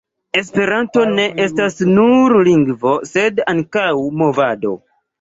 Esperanto ne estas nur lingvo, sed ankaŭ movado.